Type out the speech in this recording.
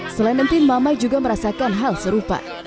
selain enti mamai juga merasakan hal serupa